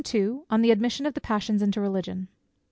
_On the Admission of the Passions into Religion.